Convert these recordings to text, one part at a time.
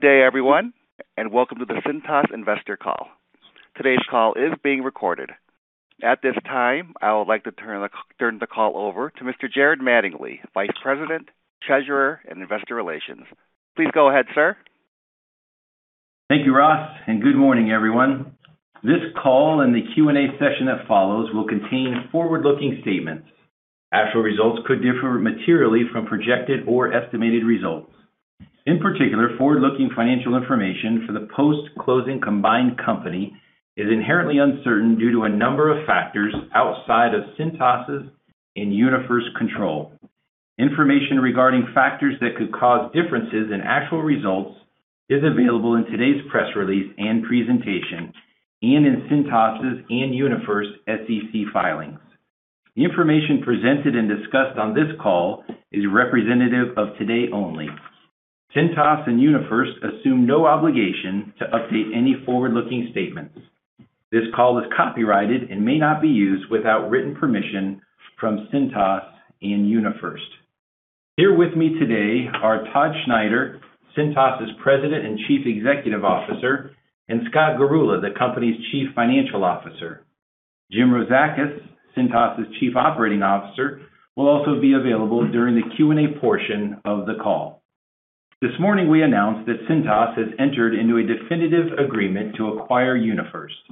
Good day everyone, and welcome to the Cintas investor call. Today's call is being recorded. At this time, I would like to turn the call over to Mr. Jared Mattingly, Vice President, Treasurer & Investor Relations. Please go ahead, sir. Thank you, Ross, and good morning everyone. This call and the Q&A session that follows will contain forward-looking statements. Actual results could differ materially from projected or estimated results. In particular, forward-looking financial information for the post-closing combined company is inherently uncertain due to a number of factors outside of Cintas' and UniFirst control. Information regarding factors that could cause differences in actual results is available in today's press release and presentation and in Cintas' and UniFirst SEC filings. The information presented and discussed on this call is representative of today only. Cintas and UniFirst assume no obligation to update any forward-looking statements. This call is copyrighted and may not be used without written permission from Cintas and UniFirst. Here with me today are Todd Schneider, Cintas' President and Chief Executive Officer, and Scott Garula, the company's Chief Financial Officer. Jim Rozakis, Cintas' Chief Operating Officer, will also be available during the Q&A portion of the call. This morning, we announced that Cintas has entered into a definitive agreement to acquire UniFirst.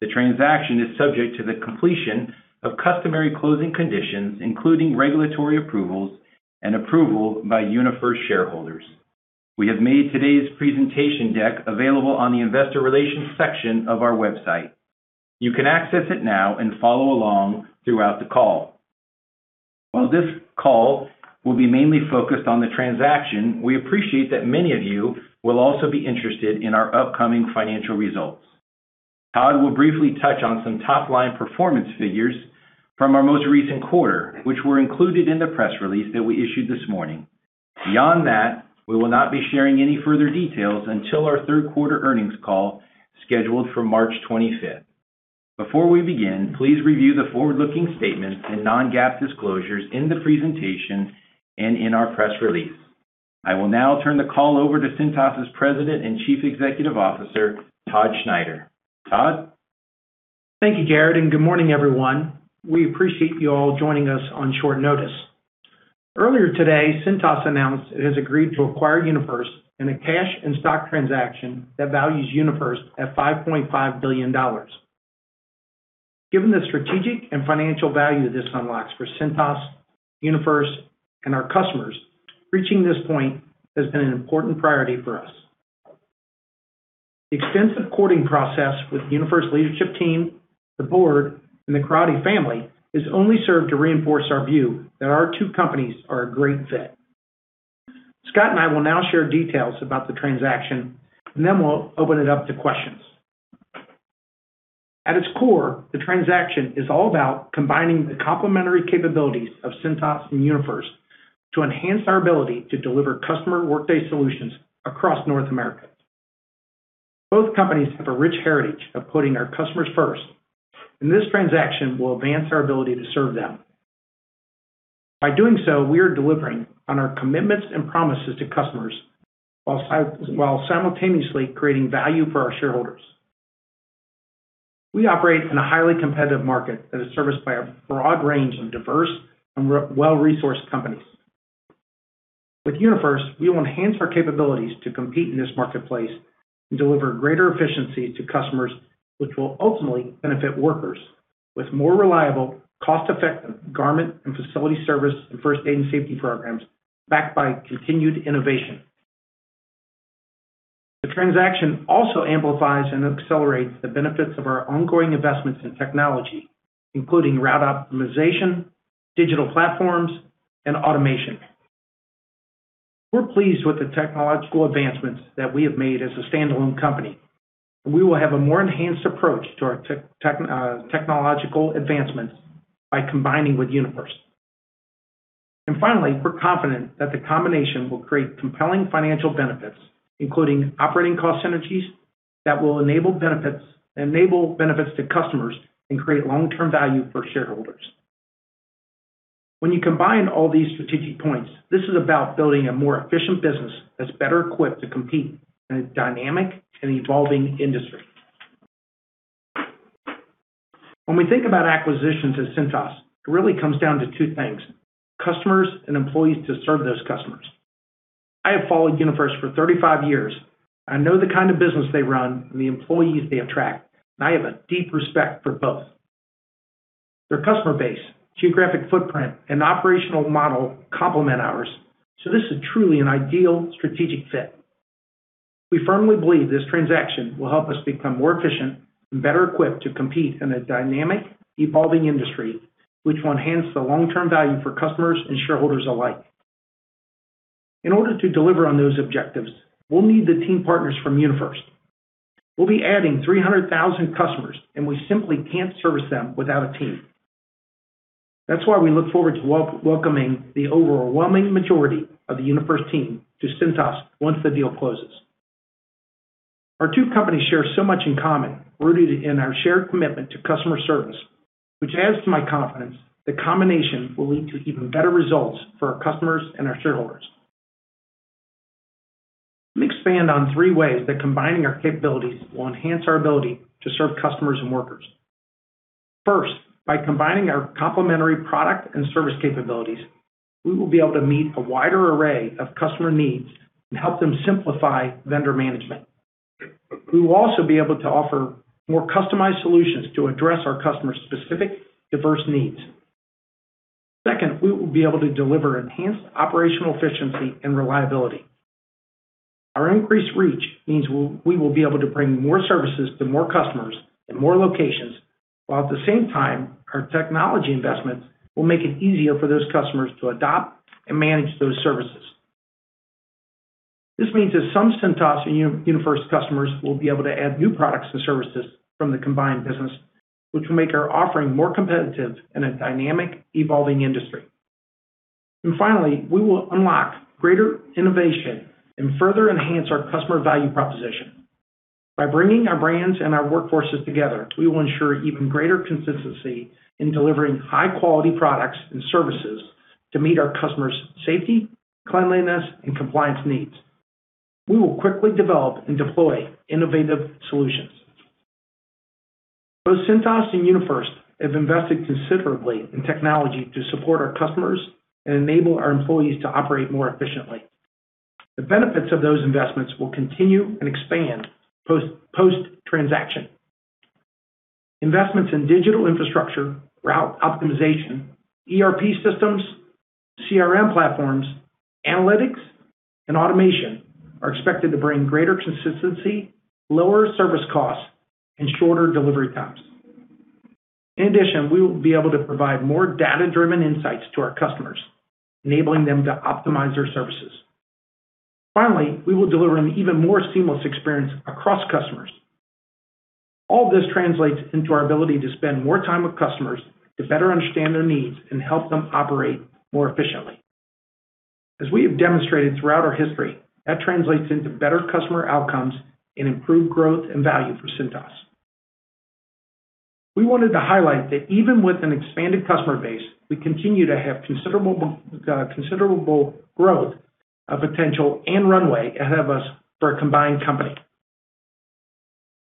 The transaction is subject to the completion of customary closing conditions, including regulatory approvals and approval by UniFirst shareholders. We have made today's presentation deck available on the investor relations section of our website. You can access it now and follow along throughout the call. While this call will be mainly focused on the transaction, we appreciate that many of you will also be interested in our upcoming financial results. Todd will briefly touch on some top-line performance figures from our most recent quarter, which were included in the press release that we issued this morning. Beyond that, we will not be sharing any further details until our third quarter earnings call, scheduled for March 25th. Before we begin, please review the forward-looking statements and non-GAAP disclosures in the presentation and in our press release. I will now turn the call over to Cintas' President and Chief Executive Officer, Todd Schneider. Todd. Thank you, Jared, and good morning everyone. We appreciate you all joining us on short notice. Earlier today, Cintas announced it has agreed to acquire UniFirst in a cash and stock transaction that values UniFirst at $5.5 billion. Given the strategic and financial value this unlocks for Cintas, UniFirst, and our customers, reaching this point has been an important priority for us. The extensive courting process with UniFirst leadership team, the board, and the Crotty family has only served to reinforce our view that our two companies are a great fit. Scott and I will now share details about the transaction, and then we'll open it up to questions. At its core, the transaction is all about combining the complementary capabilities of Cintas and UniFirst to enhance our ability to deliver customer workday solutions across North America. Both companies have a rich heritage of putting our customers first, and this transaction will advance our ability to serve them. By doing so, we are delivering on our commitments and promises to customers while while simultaneously creating value for our shareholders. We operate in a highly competitive market that is serviced by a broad range of diverse and well-resourced companies. With UniFirst, we will enhance our capabilities to compete in this marketplace and deliver greater efficiency to customers, which will ultimately benefit workers with more reliable, cost-effective garment and facility service and first aid and safety programs backed by continued innovation. The transaction also amplifies and accelerates the benefits of our ongoing investments in technology, including route optimization, digital platforms, and automation. We're pleased with the technological advancements that we have made as a standalone company. We will have a more enhanced approach to our technological advancements by combining with UniFirst. Finally, we're confident that the combination will create compelling financial benefits, including operating cost synergies that will enable benefits to customers and create long-term value for shareholders. When you combine all these strategic points, this is about building a more efficient business that's better equipped to compete in a dynamic and evolving industry. When we think about acquisitions at Cintas, it really comes down to two things, customers and employees to serve those customers. I have followed UniFirst for 35 years. I know the kind of business they run and the employees they attract, and I have a deep respect for both. Their customer base, geographic footprint, and operational model complement ours, so this is truly an ideal strategic fit. We firmly believe this transaction will help us become more efficient and better equipped to compete in a dynamic, evolving industry, which will enhance the long-term value for customers and shareholders alike. In order to deliver on those objectives, we'll need the team partners from UniFirst. We'll be adding 300,000 customers, and we simply can't service them without a team. That's why we look forward to welcoming the overwhelming majority of the UniFirst team to Cintas once the deal closes. Our two companies share so much in common, rooted in our shared commitment to customer service, which adds to my confidence the combination will lead to even better results for our customers and our shareholders. Let me expand on three ways that combining our capabilities will enhance our ability to serve customers and workers. First, by combining our complementary product and service capabilities, we will be able to meet a wider array of customer needs and help them simplify vendor management. We will also be able to offer more customized solutions to address our customers' specific diverse needs. Second, we will be able to deliver enhanced operational efficiency and reliability. Our increased reach means we will be able to bring more services to more customers in more locations, while at the same time, our technology investments will make it easier for those customers to adopt and manage those services. This means that some Cintas and UniFirst customers will be able to add new products and services from the combined business, which will make our offering more competitive in a dynamic, evolving industry. Finally, we will unlock greater innovation and further enhance our customer value proposition. By bringing our brands and our workforces together, we will ensure even greater consistency in delivering high-quality products and services to meet our customers' safety, cleanliness, and compliance needs. We will quickly develop and deploy innovative solutions. Both Cintas and UniFirst have invested considerably in technology to support our customers and enable our employees to operate more efficiently. The benefits of those investments will continue and expand post-transaction. Investments in digital infrastructure, route optimization, ERP systems, CRM platforms, analytics, and automation are expected to bring greater consistency, lower service costs, and shorter delivery times. In addition, we will be able to provide more data-driven insights to our customers, enabling them to optimize their services. Finally, we will deliver an even more seamless experience across customers. All this translates into our ability to spend more time with customers to better understand their needs and help them operate more efficiently. As we have demonstrated throughout our history, that translates into better customer outcomes and improved growth and value for Cintas. We wanted to highlight that even with an expanded customer base, we continue to have considerable growth potential and runway ahead of us for a combined company.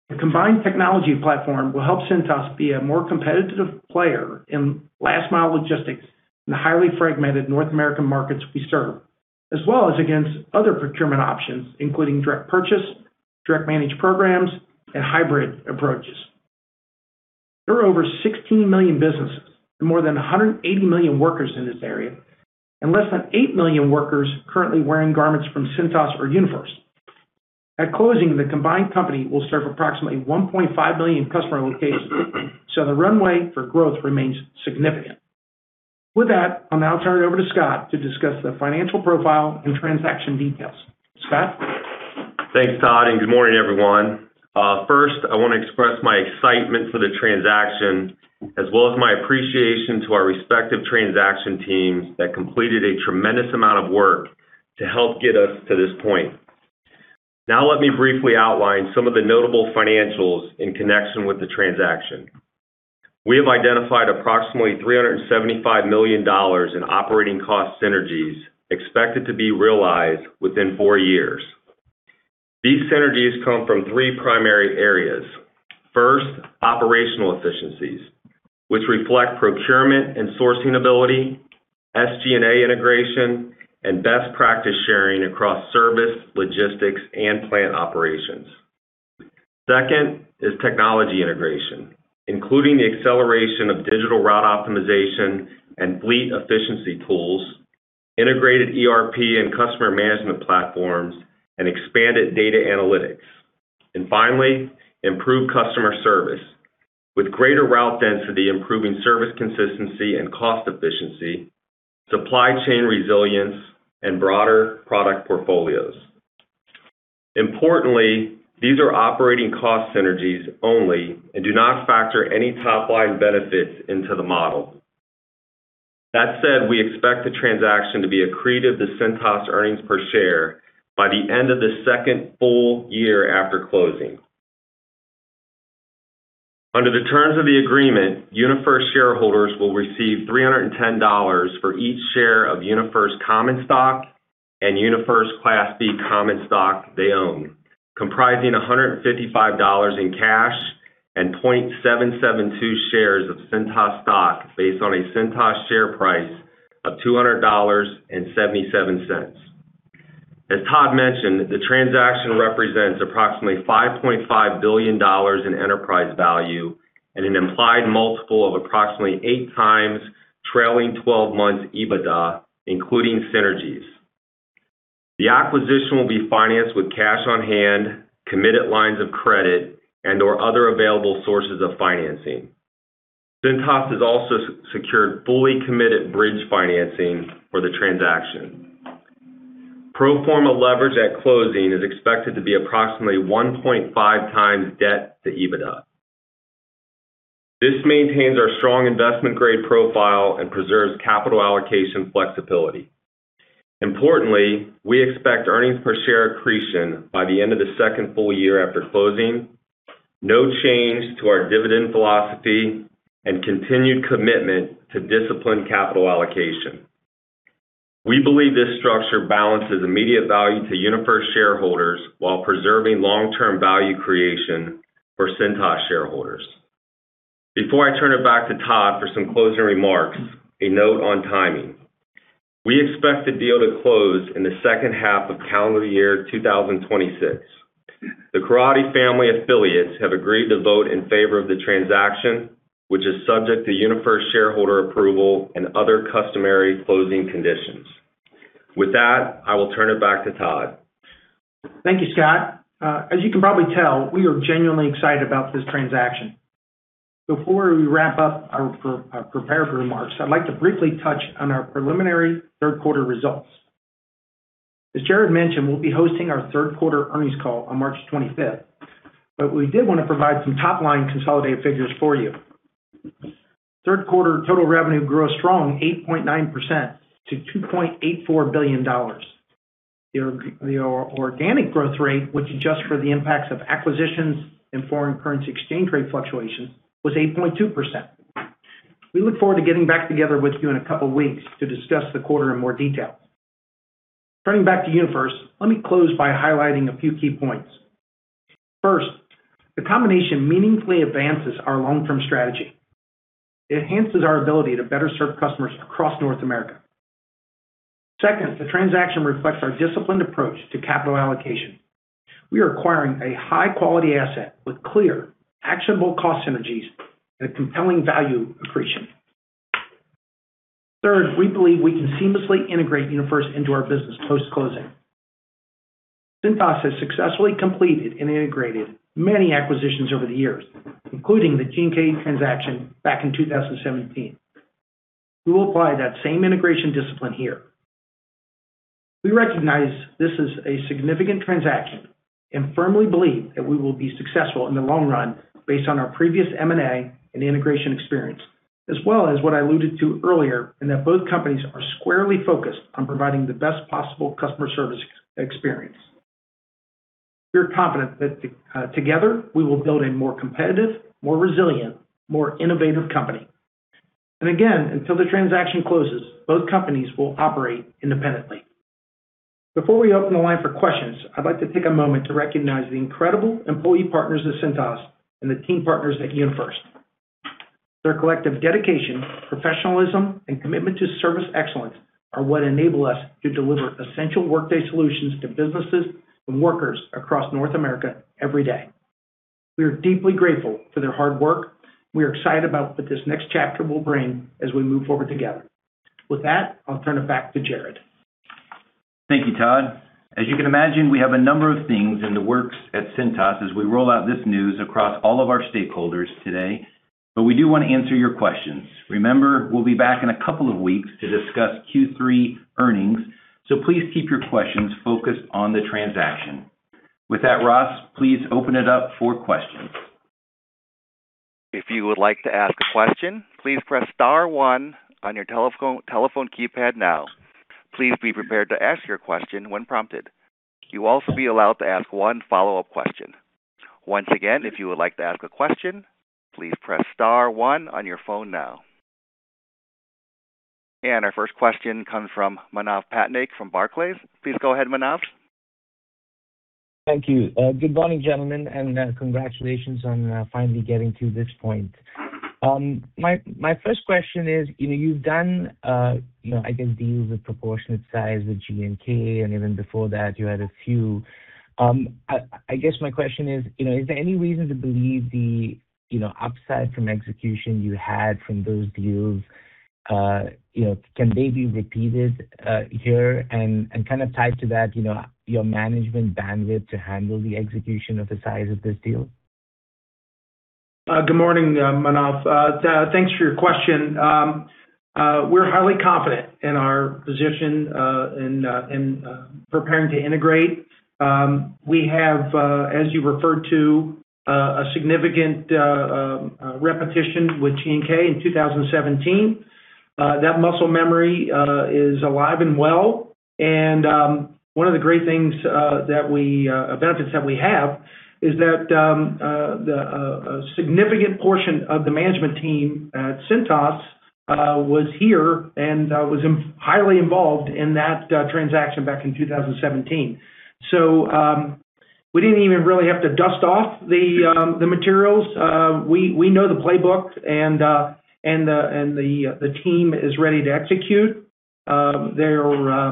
The combined technology platform will help Cintas be a more competitive player in last-mile logistics in the highly fragmented North American markets we serve, as well as against other procurement options, including direct purchase, direct managed programs, and hybrid approaches. There are over 16 million businesses and more than 180 million workers in this area, and less than 8 million workers currently wearing garments from Cintas or UniFirst. At closing, the combined company will serve approximately 1.5 million customer locations, so the runway for growth remains significant. With that, I'll now turn it over to Scott to discuss the financial profile and transaction details. Scott? Thanks, Todd, and good morning, everyone. First, I want to express my excitement for the transaction as well as my appreciation to our respective transaction teams that completed a tremendous amount of work to help get us to this point. Now let me briefly outline some of the notable financials in connection with the transaction. We have identified approximately $375 million in operating cost synergies expected to be realized within four years. These synergies come from three primary areas. First, operational efficiencies, which reflect procurement and sourcing ability, SG&A integration, and best practice sharing across service, logistics, and plant operations. Second is technology integration, including the acceleration of digital route optimization and fleet efficiency tools, integrated ERP and customer management platforms, and expanded data analytics. Finally, improved customer service with greater route density, improving service consistency and cost efficiency, supply chain resilience, and broader product portfolios. Importantly, these are operating cost synergies only and do not factor any top-line benefits into the model. That said, we expect the transaction to be accretive to Cintas earnings per share by the end of the second full year after closing. Under the terms of the agreement, UniFirst shareholders will receive $310 for each share of UniFirst common stock and UniFirst Class B common stock they own, comprising $155 in cash and 0.772 shares of Cintas stock based on a Cintas share price of $200.77. As Todd mentioned, the transaction represents approximately $5.5 billion in enterprise value and an implied multiple of approximately 8x trailing twelve months EBITDA, including synergies. The acquisition will be financed with cash on hand, committed lines of credit, and/or other available sources of financing. Cintas has also secured fully committed bridge financing for the transaction. Pro forma leverage at closing is expected to be approximately 1.5x debt to EBITDA. This maintains our strong investment grade profile and preserves capital allocation flexibility. Importantly, we expect earnings per share accretion by the end of the second full year after closing, no change to our dividend philosophy, and continued commitment to disciplined capital allocation. We believe this structure balances immediate value to UniFirst shareholders while preserving long-term value creation for Cintas shareholders. Before I turn it back to Todd for some closing remarks, a note on timing. We expect the deal to close in the second half of calendar year 2026. The Croatti family affiliates have agreed to vote in favor of the transaction, which is subject to UniFirst shareholder approval and other customary closing conditions. With that, I will turn it back to Todd. Thank you, Scott. As you can probably tell, we are genuinely excited about this transaction. Before we wrap up our prepared remarks, I'd like to briefly touch on our preliminary third quarter results. As Jared mentioned, we'll be hosting our third quarter earnings call on March 25th, but we did want to provide some top-line consolidated figures for you. Third quarter total revenue grew a strong 8.9% to $2.84 billion. The organic growth rate, which adjusts for the impacts of acquisitions and foreign currency exchange rate fluctuation, was 8.2%. We look forward to getting back together with you in a couple of weeks to discuss the quarter in more detail. Turning back to UniFirst, let me close by highlighting a few key points. First, the combination meaningfully advances our long-term strategy. It enhances our ability to better serve customers across North America. Second, the transaction reflects our disciplined approach to capital allocation. We are acquiring a high-quality asset with clear, actionable cost synergies and a compelling value accretion. Third, we believe we can seamlessly integrate UniFirst into our business post-closing. Cintas has successfully completed and integrated many acquisitions over the years, including the G&K transaction back in 2017. We will apply that same integration discipline here. We recognize this is a significant transaction and firmly believe that we will be successful in the long run based on our previous M&A and integration experience, as well as what I alluded to earlier, in that both companies are squarely focused on providing the best possible customer service experience. We are confident that together, we will build a more competitive, more resilient, more innovative company. Again, until the transaction closes, both companies will operate independently. Before we open the line for questions, I'd like to take a moment to recognize the incredible employee partners at Cintas and the team partners at UniFirst. Their collective dedication, professionalism, and commitment to service excellence are what enable us to deliver essential workday solutions to businesses and workers across North America every day. We are deeply grateful for their hard work. We are excited about what this next chapter will bring as we move forward together. With that, I'll turn it back to Jared. Thank you, Todd. As you can imagine, we have a number of things in the works at Cintas as we roll out this news across all of our stakeholders today, but we do want to answer your questions. Remember, we'll be back in a couple of weeks to discuss Q3 earnings, so please keep your questions focused on the transaction. With that, Ross, please open it up for questions. If you would like to ask a question, please press star one on your telephone keypad now. Please be prepared to ask your question when prompted. You'll also be allowed to ask one follow-up question. Once again, if you would like to ask a question, please press star one on your phone now. Our first question comes from Manav Patnaik from Barclays. Please go ahead, Manav. Thank you. Good morning, gentlemen, and congratulations on finally getting to this point. My first question is, you know, you've done, you know, I guess, deals of proportionate size with G&K, and even before that you had a few. I guess my question is, you know, is there any reason to believe the, you know, upside from execution you had from those deals, you know, can they be repeated here? Kind of tied to that, you know, your management bandwidth to handle the execution of the size of this deal. Good morning, Manav. Thanks for your question. We're highly confident in our position in preparing to integrate. We have, as you referred to, a significant repetition with G&K in 2017. That muscle memory is alive and well. One of the great things benefits that we have is that a significant portion of the management team at Cintas was here and was highly involved in that transaction back in 2017. We didn't even really have to dust off the materials. We know the playbook and the team is ready to execute. They're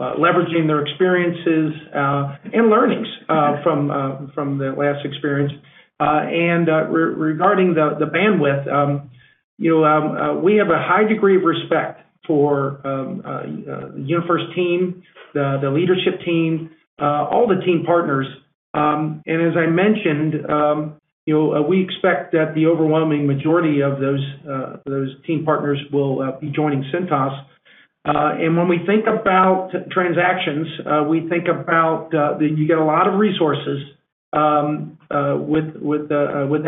leveraging their experiences and learnings from the last experience. Regarding the bandwidth, you know, we have a high degree of respect for UniFirst team, the leadership team, all the team partners. As I mentioned, you know, we expect that the overwhelming majority of those team partners will be joining Cintas. When we think about transactions, we think about that you get a lot of resources with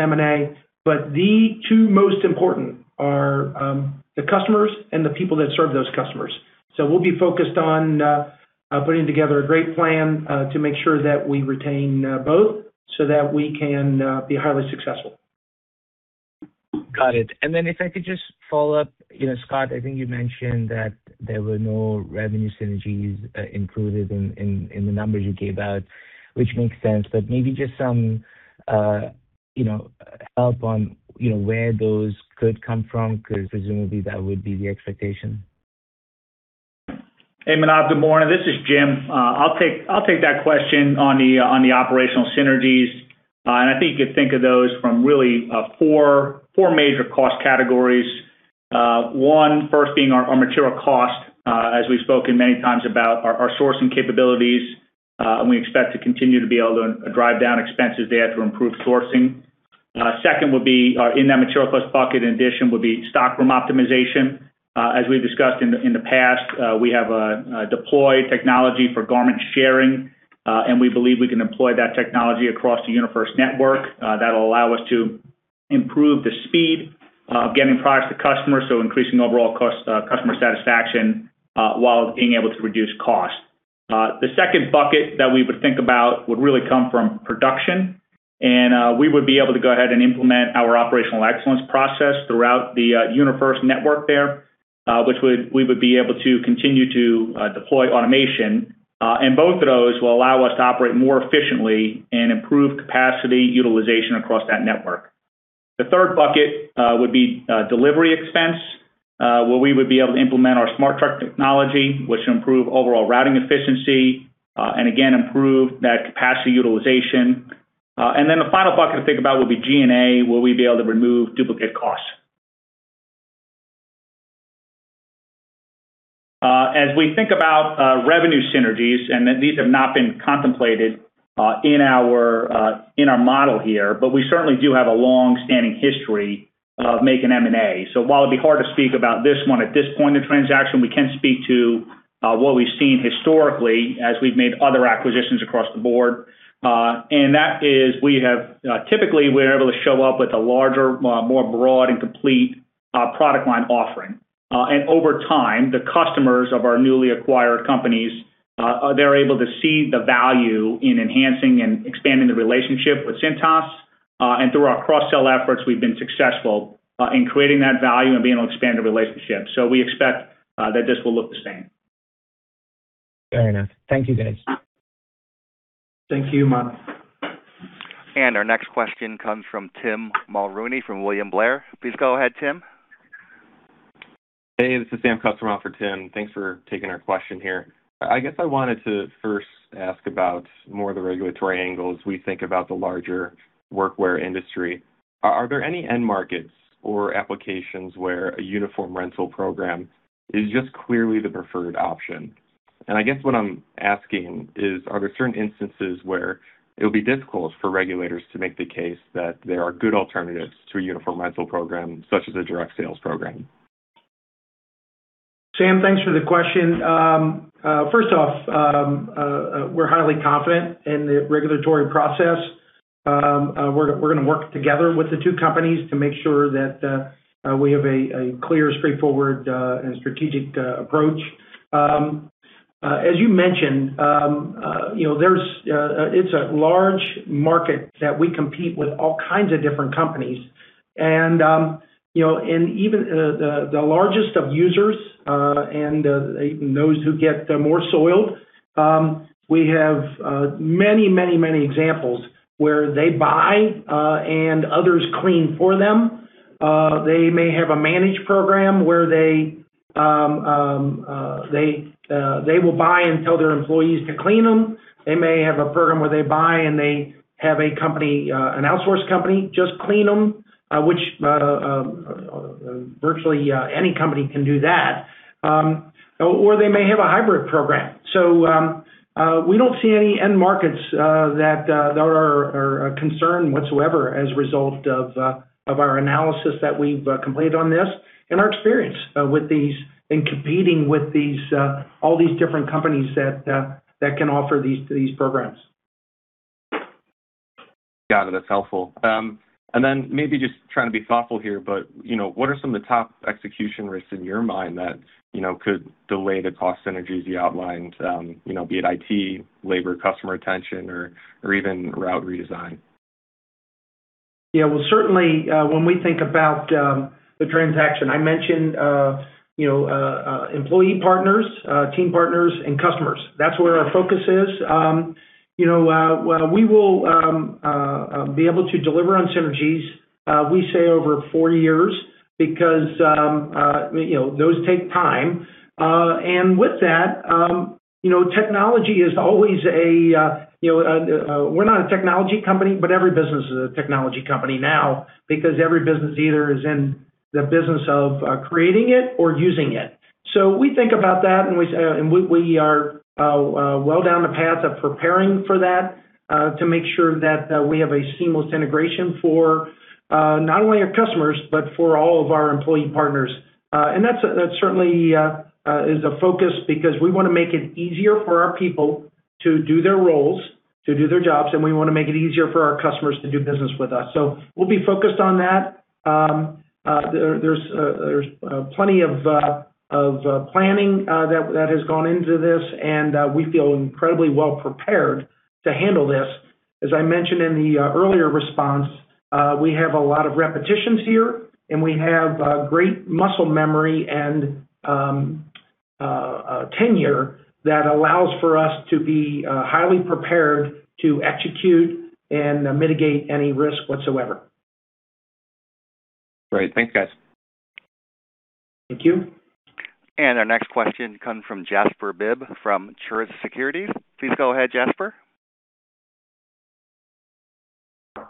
M&A. The two most important are the customers and the people that serve those customers. We'll be focused on putting together a great plan to make sure that we retain both so that we can be highly successful. Got it. If I could just follow up. You know, Scott, I think you mentioned that there were no revenue synergies included in the numbers you gave out, which makes sense. Maybe just some you know, help on you know, where those could come from, 'cause presumably that would be the expectation. Hey, Manav. Good morning. This is Jim. I'll take that question on the operational synergies. I think you could think of those from really four major cost categories. First being our material cost, as we've spoken many times about our sourcing capabilities, and we expect to continue to be able to drive down expenses there to improve sourcing. Second would be in that material cost bucket, in addition, would be stock room optimization. As we've discussed in the past, we have deployed technology for garment sharing, and we believe we can employ that technology across the UniFirst network. That'll allow us to improve the speed of getting products to customers, so increasing overall customer satisfaction, while being able to reduce cost. The second bucket that we would think about would really come from production. We would be able to go ahead and implement our operational excellence process throughout the UniFirst network there, which we would be able to continue to deploy automation. Both of those will allow us to operate more efficiently and improve capacity utilization across that network. The third bucket would be delivery expense, where we would be able to implement our Smart Truck technology, which will improve overall routing efficiency and again, improve that capacity utilization. The final bucket to think about would be G&A, where we'd be able to remove duplicate costs. As we think about revenue synergies, and these have not been contemplated in our model here, but we certainly do have a long-standing history of making M&A. While it'd be hard to speak about this one at this point in the transaction, we can speak to what we've seen historically as we've made other acquisitions across the board. That is, we have typically, we're able to show up with a larger, more broad and complete product line offering. Over time, the customers of our newly acquired companies, they're able to see the value in enhancing and expanding the relationship with Cintas. Through our cross-sell efforts, we've been successful in creating that value and being able to expand the relationship. We expect that this will look the same. Fair enough. Thank you, guys. Thank you, Manav. Our next question comes from Tim Mulrooney from William Blair. Please go ahead, Tim. Hey, this is Sam Kusswurm for Tim. Thanks for taking our question here. I guess I wanted to first ask about more of the regulatory angles we think about the larger workwear industry. Are there any end markets or applications where a uniform rental program is just clearly the preferred option? I guess what I'm asking is, are there certain instances where it'll be difficult for regulators to make the case that there are good alternatives to a uniform rental program, such as a direct sales program? Sam, thanks for the question. First off, we're highly confident in the regulatory process. We're going to work together with the two companies to make sure that we have a clear, straightforward, and strategic approach. As you mentioned, you know, there's a large market that we compete with all kinds of different companies. You know, even the largest of users, and even those who get more soiled, we have many examples where they buy and others clean for them. They may have a managed program where they will buy and tell their employees to clean them. They may have a program where they buy and they have a company, an outsourcing company just clean them, which virtually any company can do that. They may have a hybrid program. We don't see any end markets that are a concern whatsoever as a result of our analysis that we've completed on this and our experience with these and competing with these all these different companies that can offer these programs. Got it. That's helpful. Maybe just trying to be thoughtful here, but, you know, what are some of the top execution risks in your mind that, you know, could delay the cost synergies you outlined, you know, be it IT, labor, customer retention, or even route redesign? Yeah. Well, certainly, when we think about the transaction, I mentioned, you know, employee partners, team partners, and customers. That's where our focus is. You know, we will be able to deliver on synergies, we say over 4 years because, you know, those take time. With that, you know, technology is always, you know, we're not a technology company, but every business is a technology company now because every business either is in the business of creating it or using it. We think about that, and we are well down the path of preparing for that to make sure that we have a seamless integration for not only our customers but for all of our employee partners. That's certainly a focus because we want to make it easier for our people to do their roles. To do their jobs, and we want to make it easier for our customers to do business with us. We'll be focused on that. There's plenty of planning that has gone into this, and we feel incredibly well prepared to handle this. As I mentioned in the earlier response, we have a lot of repetitions here, and we have great muscle memory and tenure that allows for us to be highly prepared to execute and mitigate any risk whatsoever. Great. Thanks, guys. Thank you. Our next question comes from Jasper Bibb from Truist Securities. Please go ahead, Jasper.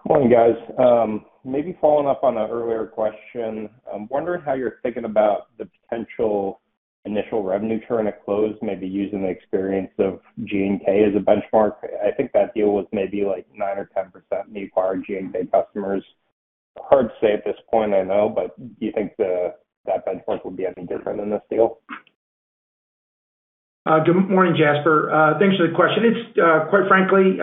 Morning, guys. Maybe following up on an earlier question, I'm wondering how you're thinking about the potential initial revenue turn at close, maybe using the experience of G&K as a benchmark. I think that deal was maybe, like, 9 or 10% new G&K customers. Hard to say at this point, I know, but do you think that benchmark will be any different in this deal? Good morning, Jasper. Thanks for the question. It's quite frankly,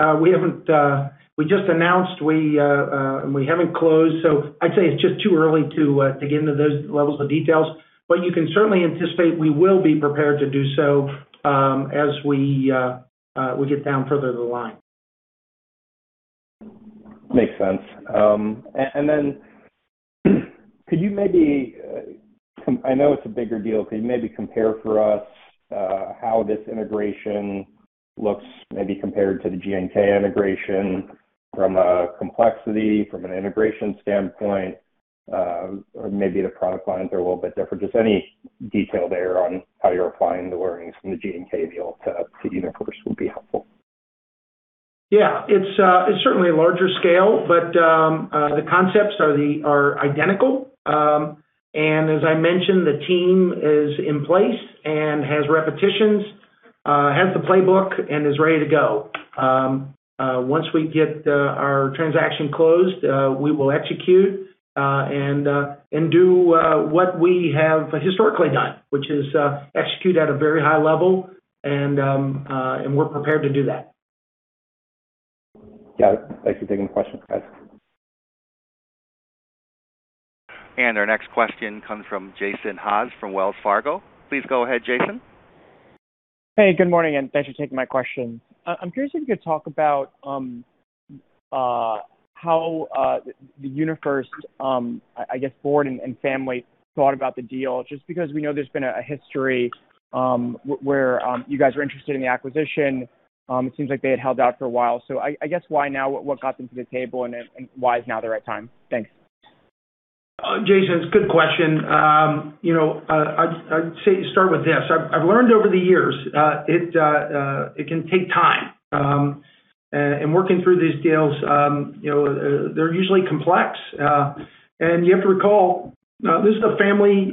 we just announced and we haven't closed, so I'd say it's just too early to get into those levels of details. You can certainly anticipate we will be prepared to do so, as we get down further the line. Makes sense. I know it's a bigger deal. Could you maybe compare for us how this integration looks maybe compared to the G&K integration from a complexity, from an integration standpoint, or maybe the product lines are a little bit different. Just any detail there on how you're applying the learnings from the G&K deal to UniFirst would be helpful. Yeah. It's certainly a larger scale, but the concepts are identical. As I mentioned, the team is in place and has the playbook and is ready to go. Once we get our transaction closed, we will execute and do what we have historically done, which is execute at a very high level, and we're prepared to do that. Got it. Thanks for taking the question, guys. Our next question comes from Jason Haas from Wells Fargo. Please go ahead, Jason. Hey, good morning, and thanks for taking my question. I'm curious if you could talk about how the UniFirst, I guess, board and family thought about the deal, just because we know there's been a history where you guys were interested in the acquisition. It seems like they had held out for a while. I guess why now, what got them to the table, and then why is now the right time? Thanks. Jason, it's a good question. You know, I'd say start with this. I've learned over the years, it can take time. Working through these deals, you know, they're usually complex. You have to recall, this is a family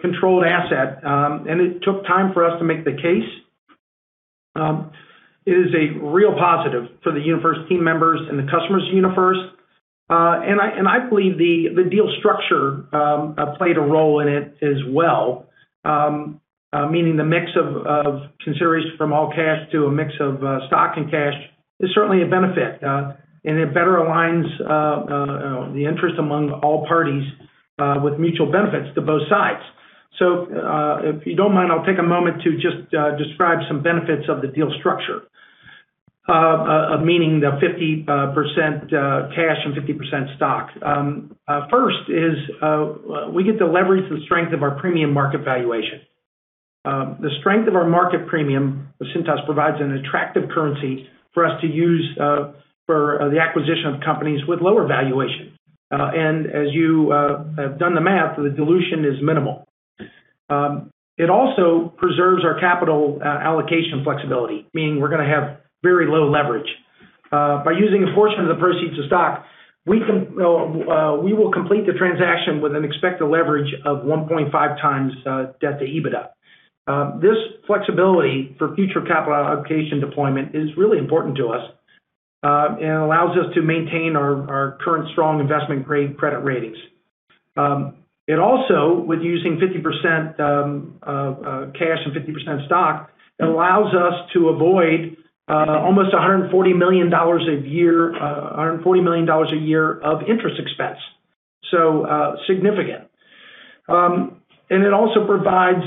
controlled asset, and it took time for us to make the case. It is a real positive for the UniFirst team members and the customers of UniFirst. I believe the deal structure played a role in it as well, meaning the mix of consideration from all cash to a mix of stock and cash is certainly a benefit, and it better aligns the interest among all parties with mutual benefits to both sides. If you don't mind, I'll take a moment to just describe some benefits of the deal structure, meaning the 50% cash and 50% stock. First is we get to leverage the strength of our premium market valuation. The strength of our market premium with Cintas provides an attractive currency for us to use for the acquisition of companies with lower valuation. As you have done the math, the dilution is minimal. It also preserves our capital allocation flexibility, meaning we're going to have very little leverage. By using a portion of the proceeds of stock, we will complete the transaction with an expected leverage of 1.5 times debt to EBITDA. This flexibility for future capital allocation deployment is really important to us and allows us to maintain our current strong investment-grade credit ratings. It also, with using 50% cash and 50% stock, allows us to avoid almost $140 million a year of interest expense. Significant. It also provides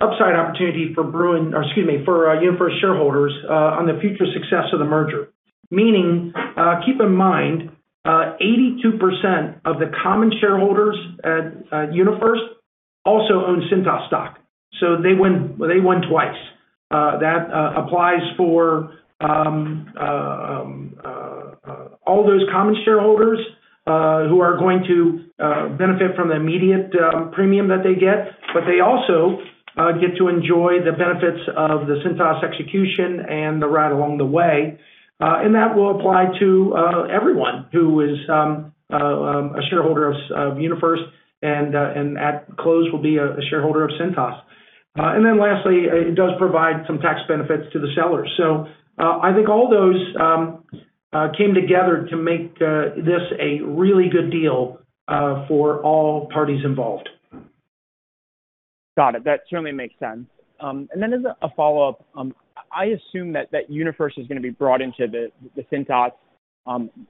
upside opportunity for UniFirst shareholders on the future success of the merger. Meaning, keep in mind, 82% of the common shareholders at UniFirst also own Cintas stock, so they won twice. That applies for all those common shareholders who are going to benefit from the immediate premium that they get, but they also get to enjoy the benefits of the Cintas execution and the ride along the way. That will apply to everyone who is a shareholder of UniFirst and at close will be a shareholder of Cintas. Lastly, it does provide some tax benefits to the sellers. I think all those came together to make this a really good deal for all parties involved. Got it. That certainly makes sense. As a follow-up, I assume that UniFirst is going to be brought into the Cintas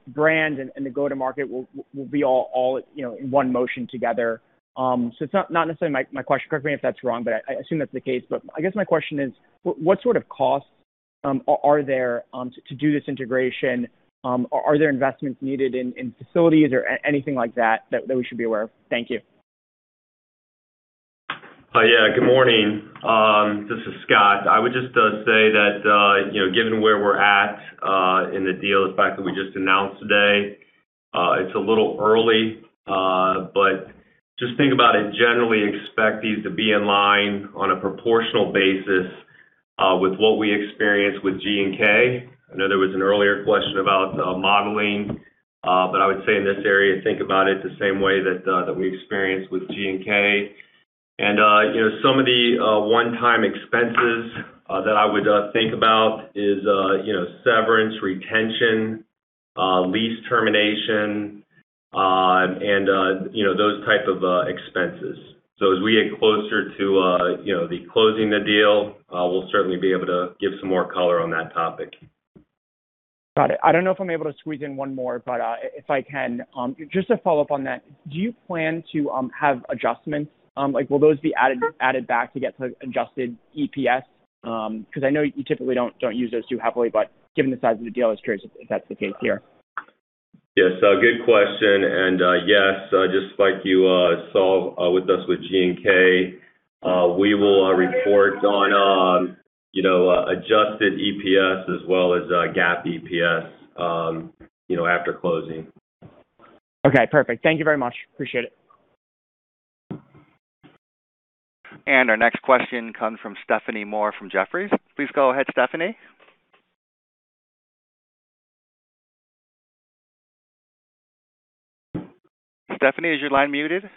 brand and the go-to-market will be all you know in one motion together. It's not necessarily my question. Correct me if that's wrong, but I assume that's the case. I guess my question is: What sort of costs are there to do this integration? Are there investments needed in facilities or anything like that that we should be aware of? Thank you. Yeah, good morning. This is Scott. I would just say that, you know, given where we're at in the deal, the fact that we just announced today, it's a little early. But just think about it generally expect these to be in line on a proportional basis with what we experienced with G&K. I know there was an earlier question about modeling, but I would say in this area, think about it the same way that we experienced with G&K. You know, some of the one-time expenses that I would think about is, you know, severance, retention, lease termination, and you know, those type of expenses. As we get closer to, you know, the closing the deal, we'll certainly be able to give some more color on that topic. Got it. I don't know if I'm able to squeeze in one more, but if I can, just to follow up on that, do you plan to have adjustments? Like, will those be added back to get to adjusted EPS? 'Cause I know you typically don't use those too heavily, but given the size of the deal, I was curious if that's the case here. Yes. Good question. Yes, just like you saw with G&K, we will report on, you know, adjusted EPS as well as GAAP EPS, you know, after closing. Okay. Perfect. Thank you very much. Appreciate it. Our next question comes from Stephanie Moore from Jefferies. Please go ahead, Stephanie. Stephanie, is your line muted?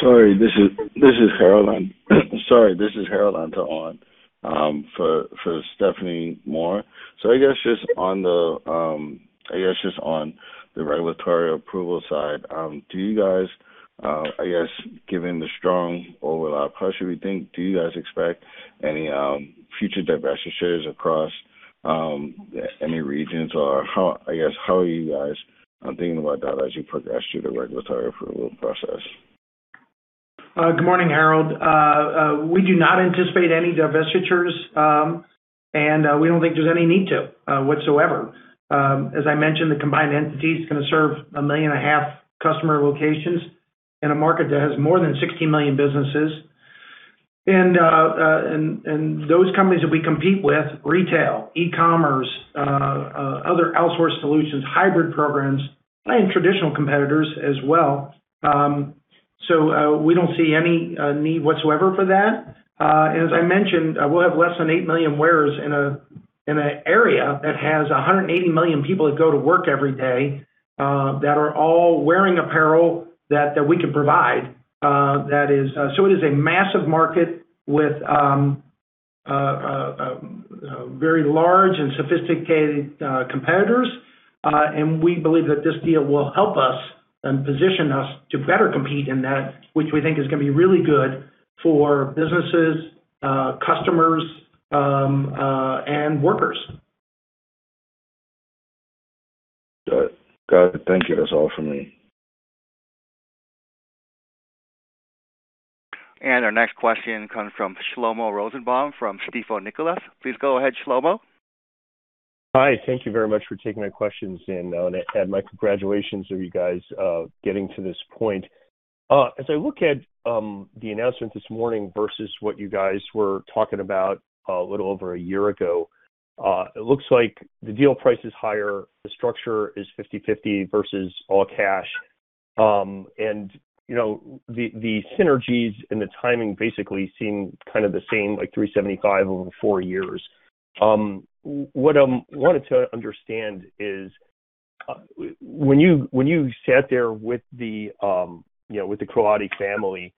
Sorry, this is Harold. Sorry, this is Harold on for Stephanie Moore. I guess just on the regulatory approval side, given the strong overlap, do you think do you guys expect any future divestitures across any regions? How are you guys thinking about that as you progress through the regulatory approval process? Good morning, Harold. We do not anticipate any divestitures, and we don't think there's any need to whatsoever. As I mentioned, the combined entity is going to serve 1.5 million customer locations in a market that has more than 60 million businesses. Those companies that we compete with retail, e-commerce, other outsourced solutions, hybrid programs, and traditional competitors as well. We don't see any need whatsoever for that. As I mentioned, we'll have less than 8 million wearers in an area that has 180 million people that go to work every day, that are all wearing apparel that we can provide. It is a massive market with very large and sophisticated competitors. We believe that this deal will help us and position us to better compete in that, which we think is going to be really good for businesses, customers, and workers. Got it. Thank you. That's all for me. Our next question comes from Shlomo Rosenbaum from Stifel Nicolaus. Please go ahead, Shlomo. Hi. Thank you very much for taking my questions, and my congratulations to you guys getting to this point. As I look at the announcement this morning versus what you guys were talking about a little over a year ago, it looks like the deal price is higher, the structure is 50/50 versus all cash. What I wanted to understand is, when you sat there, you know, with the Croatti family,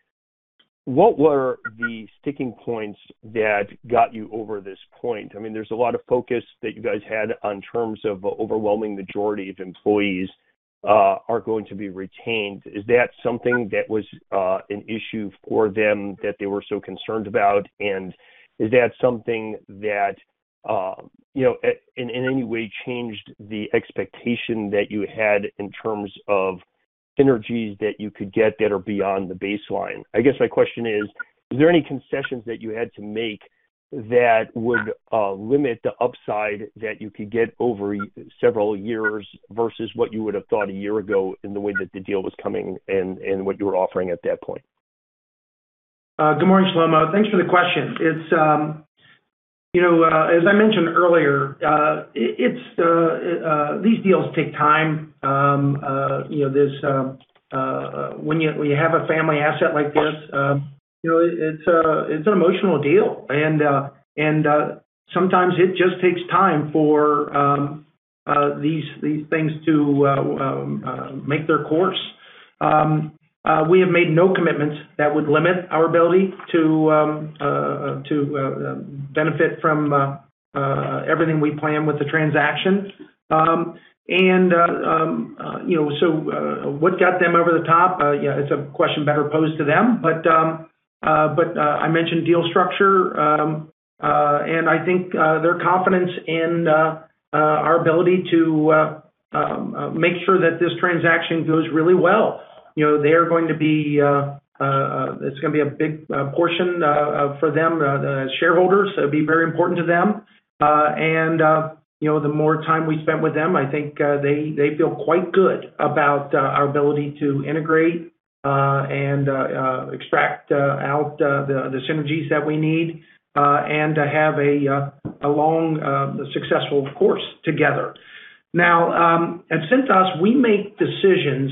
what were the sticking points that got you over this point? I mean, there's a lot of focus that you guys had in terms of overwhelming majority of employees are going to be retained. Is that something that was an issue for them that they were so concerned about? Is that something that, you know, in any way changed the expectation that you had in terms of synergies that you could get that are beyond the baseline? I guess my question is: Is there any concessions that you had to make that would limit the upside that you could get over several years versus what you would have thought a year ago in the way that the deal was coming and what you were offering at that point? Good morning, Shlomo. Thanks for the question. It's, you know, as I mentioned earlier, it's these deals take time. You know, there's when you have a family asset like this, you know, it's an emotional deal. Sometimes it just takes time for these things to make their course. We have made no commitments that would limit our ability to benefit from everything we plan with the transaction. You know, so what got them over the top? Yeah, it's a question better posed to them, but I mentioned deal structure, and I think their confidence in our ability to make sure that this transaction goes really well. You know, it's going to be a big portion for them, the shareholders. So it'll be very important to them. You know, the more time we spent with them, I think they feel quite good about our ability to integrate and extract out the synergies that we need and to have a long successful course together. Now, at Cintas, we make decisions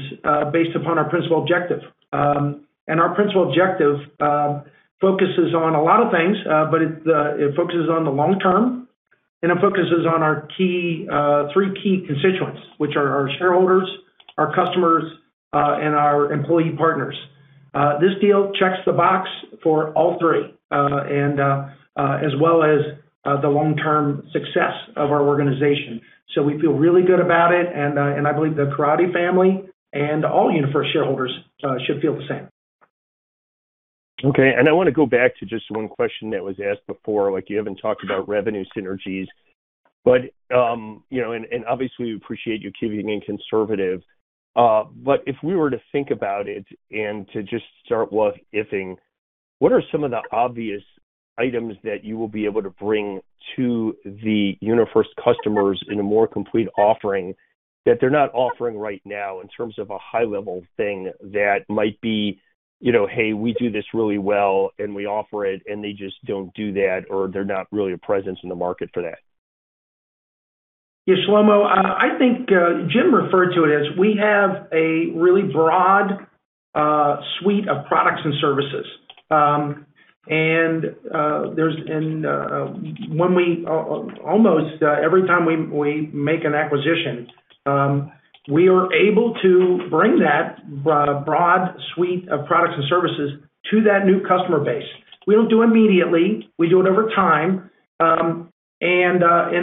based upon our principal objective. Our principal objective focuses on a lot of things, but it focuses on the long term, and it focuses on our three key constituents, which are our shareholders, our customers, and our employee partners. This deal checks the box for all three, and as well as the long-term success of our organization. We feel really good about it, and I believe the Perotti family and all UniFirst shareholders should feel the same. Okay. I wanna go back to just one question that was asked before, like you haven't talked about revenue synergies. But, you know, and obviously we appreciate you keeping it conservative. But if we were to think about it and to just start what if-ing, what are some of the obvious items that you will be able to bring to the UniFirst customers in a more complete offering that they're not offering right now in terms of a high-level thing that might be, you know, "Hey, we do this really well, and we offer it, and they just don't do that, or they're not really a presence in the market for that"? Yeah, Shlomo, I think Jim referred to it as we have a really broad suite of products and services. When we almost every time we make an acquisition, we are able to bring that broad suite of products and services to that new customer base. We don't do it immediately, we do it over time.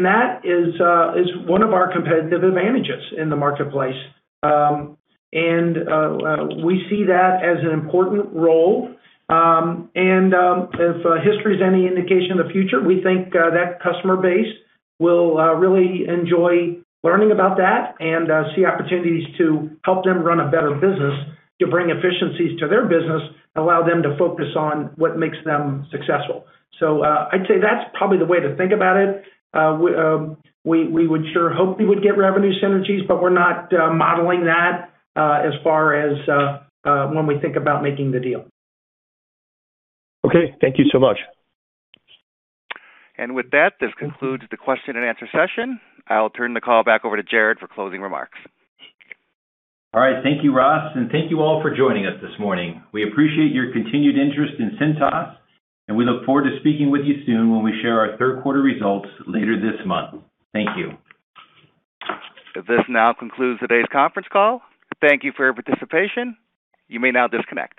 That is one of our competitive advantages in the marketplace. We see that as an important role. If history is any indication of the future, we think that customer base will really enjoy learning about that and see opportunities to help them run a better business, to bring efficiencies to their business, allow them to focus on what makes them successful. I'd say that's probably the way to think about it. We would sure hope we would get revenue synergies, but we're not modeling that as far as when we think about making the deal. Okay. Thank you so much. With that, this concludes the question and answer session. I'll turn the call back over to Jared for closing remarks. All right. Thank you, Ross, and thank you all for joining us this morning. We appreciate your continued interest in Cintas, and we look forward to speaking with you soon when we share our third quarter results later this month. Thank you. This now concludes today's conference call. Thank you for your participation. You may now disconnect.